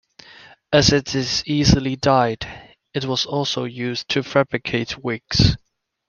As it is easily dyed, it was also used to fabricate wigs.